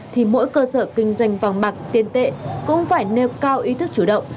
thì mỗi cơ sở kinh doanh vàng mạc tiên tệ cũng phải nêu cao ý thức chủ động